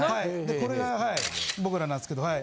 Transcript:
これがはい僕らなんすけどはい。